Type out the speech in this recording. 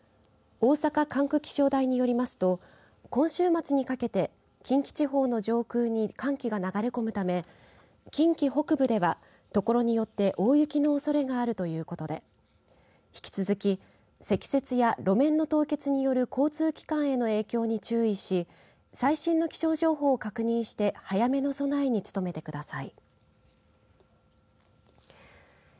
大阪管区気象台によりますと今週末にかけて近畿地方の上空に寒気が流れ込むため近畿北部では、所によって大雪のおそれがあるということで引き続き積雪や路面の凍結による交通機関への影響に注意し最新の気象情報を確認して早めの備えに努めてください。